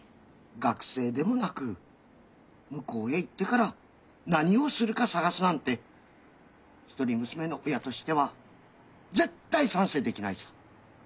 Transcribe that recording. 学生でもなく向こうへ行ってから何をするか探すなんて一人娘の親としては絶対賛成できないさ。